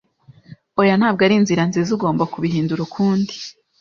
Oya, ntabwo arinzira nziza. Ugomba kubihindura ukundi.